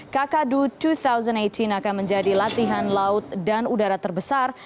kakadu dua ribu delapan belas akan menjadi latihan laut dan udara terbesar